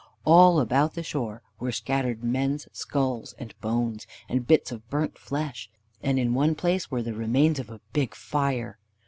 All about the shore were scattered men's skulls and bones, and bits of burnt flesh, and in one place were the remains of a big fire.